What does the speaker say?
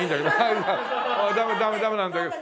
いやいやダメダメダメなんだけど。